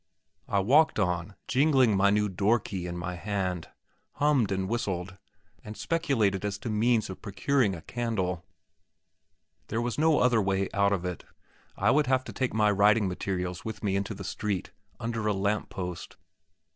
I walked on, jingling my new door key in my hand; hummed, and whistled, and speculated as to means of procuring a candle. There was no other way out of it. I would have to take my writing materials with me into the street, under a lamp post.